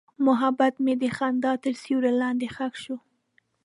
محبت مې د خندا تر سیوري لاندې ښخ شو.